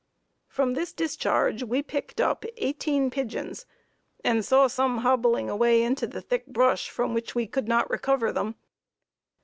From this discharge we picked up eighteen pigeons and saw some hobbling away into thick brush, from which we could not recover them.